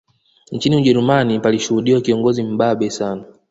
Nchini Ujerumani palishuhudiwa kiongozi mbabe sana